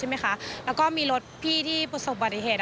มีพี่ที่สุขบริเทศ